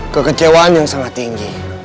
kekecewaan yang sangat tinggi